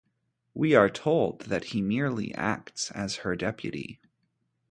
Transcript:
We are told that he merely acts as her deputy.